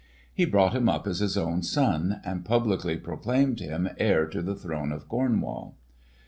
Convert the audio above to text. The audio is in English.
He brought him up as his own son, and publicly proclaimed him heir to the throne of Cornwall.